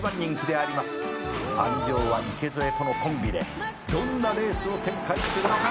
［鞍上は池添とのコンビでどんなレースを展開するのか］